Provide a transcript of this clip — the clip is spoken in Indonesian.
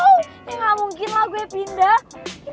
oh ya gak mungkin lah gue pindah